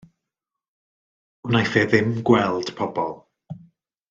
Wnaiff e ddim gweld pobl.